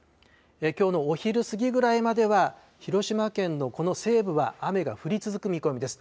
きょうのお昼過ぎぐらいまでは、広島県のこの西部は雨が降り続く見込みです。